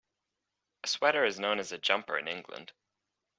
A sweater is known as a jumper in England.